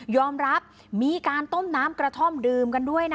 รับมีการต้มน้ำกระท่อมดื่มกันด้วยนะ